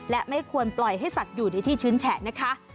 และไม่ควรปล่อยให้สัตว์อยู่ในที่ชื้นแฉะนะคะ